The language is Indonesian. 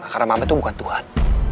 karena mama itu bukan tuhan